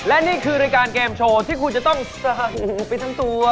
และนี่คือรายการเกมโชว์ที่คุณจะต้องไปทั้งตัว